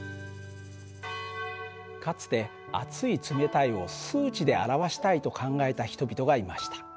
かつて熱い冷たいを数値で表したいと考えた人々がいました。